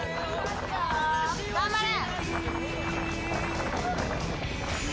頑張れ！